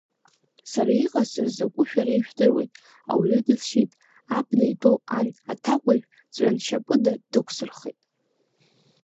Сара иҟасҵаз закәу шәара ижәдыруеит, ауаҩы дысшьит, абна итәоу ан аҭакәажә ҵәҩаншьапыда дықәсырхеит.